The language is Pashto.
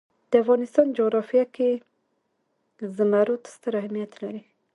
د افغانستان جغرافیه کې زمرد ستر اهمیت لري.